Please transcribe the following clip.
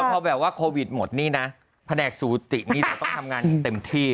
เดี๋ยวพอแบบว่าโควิดหมดนี่นะพนักศูนย์สูตินี่ต้องทำงานเต็มที่